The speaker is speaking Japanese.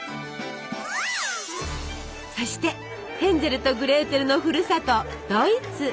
そしてヘンゼルとグレーテルのふるさとドイツ。